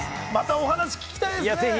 またお話を聞きたいですね。